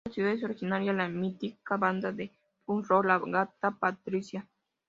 De esta ciudad es originaria la mítica banda de punk rock "La Gata Patricia".